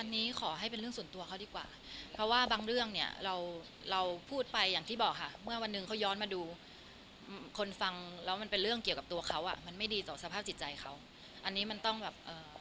อันนี้ขอให้เป็นเรื่องส่วนตัวเขาดีกว่าเพราะว่าบางเรื่องเนี่ยเราเราพูดไปอย่างที่บอกค่ะเมื่อวันหนึ่งเขาย้อนมาดูคนฟังแล้วมันเป็นเรื่องเกี่ยวกับตัวเขาอ่ะมันไม่ดีต่อสภาพจิตใจเขาอันนี้มันต้องแบบเอ่อ